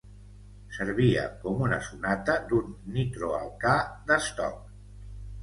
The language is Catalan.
Servia com una sonata d'un nitroalcà d'estoc.